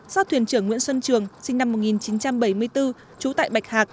do thuyền trưởng nguyễn xuân trường sinh năm một nghìn chín trăm bảy mươi bốn trú tại bạch hạc